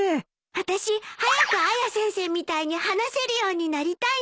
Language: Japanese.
あたし早くアヤ先生みたいに話せるようになりたいの。